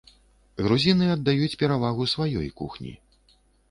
Грузіны аддаюць перавагу сваёй кухні.